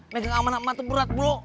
megang aman emak itu berat bro